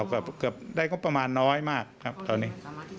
เกือบได้งบประมาณน้อยมากครับตอนนี้